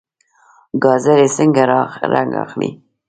ګازرې څنګه رنګ اخلي؟